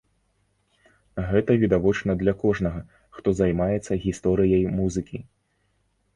Гэта відавочна для кожнага, хто займаецца гісторыяй музыкі.